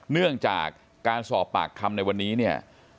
เนื่องจากการสอบปากคำในวันนี้เนี่ย